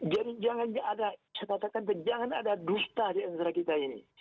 jadi jangan ada saya katakan jangan ada dusta di antara kita ini